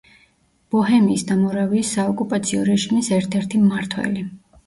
ბოჰემიის და მორავიის საოკუპაციო რეჟიმის ერთ-ერთი მმართველი.